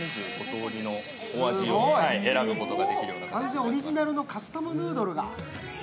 完全オリジナルのカスタムヌードルだ。